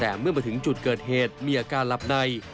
แต่เมื่อมาถึงจุดเกิดเหตุมีอาการหลับใน